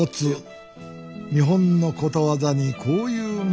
日本のことわざにこういうものもあります。